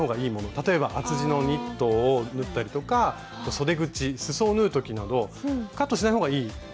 例えば厚地のニットを縫ったりとかそで口すそを縫う時などカットしない方がいい場合もあるんです。